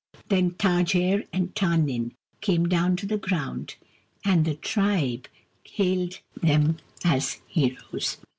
Then Ta jerr and Tarrn nin came down to the ground, and the tribe hailed them as heroes.